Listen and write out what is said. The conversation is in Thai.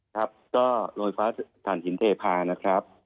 ครับโรงไฟฟ้าธรรมชินเทพาะนะครับ